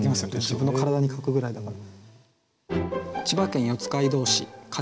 自分の体に書くぐらいだから。